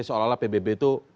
seolah olah pbb itu